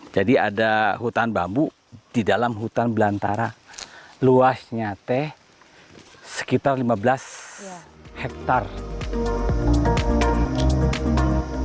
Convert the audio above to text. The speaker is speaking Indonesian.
jadi ada hutan bambu di dalam hutan belantara luasnya teh sekitar lima belas hektare